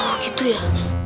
oh gitu ya